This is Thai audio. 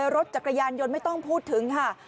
รถจักรยานยนต์ไม่ต้องพูดถึงค่ะ